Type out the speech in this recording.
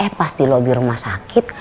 eh pas di lobi rumah sakit